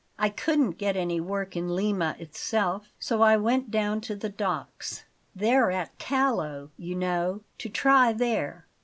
I couldn't get any work in Lima itself, so I went down to the docks, they're at Callao, you know, to try there.